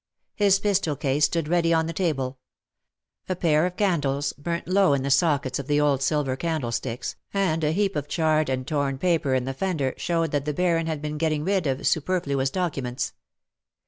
His pistol case stood ready on the table. A pair of candles, burnt low in the sockets of the old silver candlesticks, and a heap of charred and torn paper in the fender showed that the Baron had been getting rid of superfluous documents.